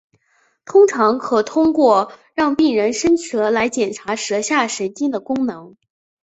通常可通过让病人伸舌来检查舌下神经的功能。